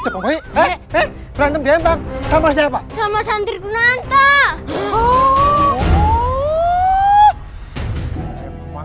berantem di empang sama siapa